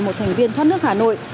một thành viên thoát nước hà nội